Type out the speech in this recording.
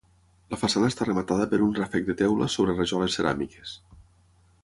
La façana està rematada per un ràfec de teula sobre rajoles ceràmiques.